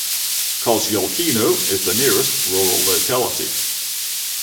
Kozyolkino is the nearest rural locality.